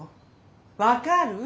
分かる？